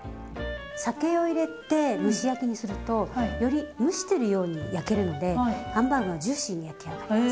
酒を入れて蒸し焼きにするとより蒸してるように焼けるのでハンバーグがジューシーに焼き上がります。